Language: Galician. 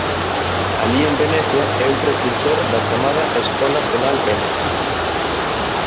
Alí en Venecia é un precursor da chamada "Escola tonal véneta".